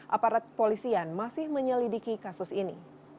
aparat polisian masih menyelidiki kasus ini